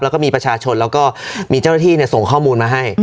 แล้วก็มีประชาชนแล้วก็มีเจ้าหน้าที่ส่งข้อมูลมาให้